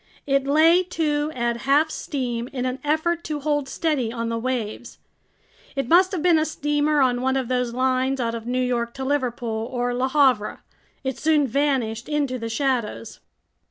It lay to at half steam in an effort to hold steady on the waves. It must have been a steamer on one of those lines out of New York to Liverpool or Le Havre. It soon vanished into the shadows.